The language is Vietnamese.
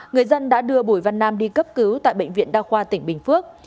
người dân đã đưa bùi văn nam đi cấp cứu tại bệnh viện đa khoa tỉnh bình phước